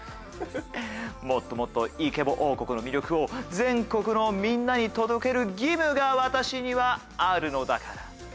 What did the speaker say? もっともっと「イケボ王国」の魅力を全国のみんなに届ける義務が私にはあるのだから。